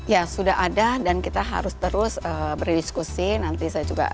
ya sudah ada dan kita harus terus berdiskusi nanti saya coba nanya kepada mbak mbak ini